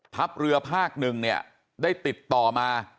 ทัพเรือภาคหนึ่งเนี่ยได้ติดต่อมา